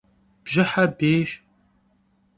Bjıhe bêyş.